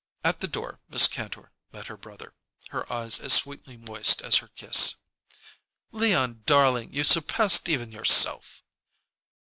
At the door Miss Kantor met her brother, her eyes as sweetly moist as her kiss. "Leon darling, you surpassed even yourself!"